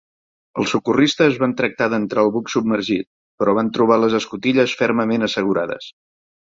Els socorristes van tractar d'entrar al buc submergit, però van trobar les escotilles fermament assegurades.